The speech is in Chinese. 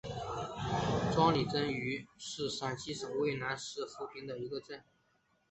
庄里镇是陕西省渭南市富平县的一个镇。